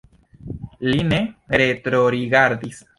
Li ne retrorigardis.